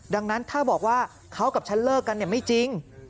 ดังนั้นถ้าบอกว่าเขากับฉันเลิกกันไม่จริง